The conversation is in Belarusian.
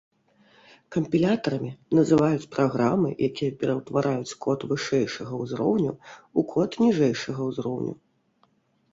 Кампілятарамі называюць праграмы, якія пераўтвараюць код вышэйшага ўзроўню ў код ніжэйшага ўзроўню.